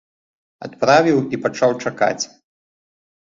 Адправіў і пачаў чакаць.